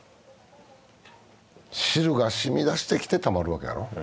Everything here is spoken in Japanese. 汁がしみ出してきてたまるわけやろ。